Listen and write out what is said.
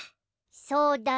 そうだね。